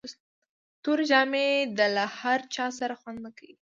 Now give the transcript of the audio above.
توري جامي د له هر چا سره خوند نه کوي.